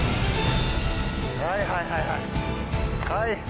はいはいはいはいはい。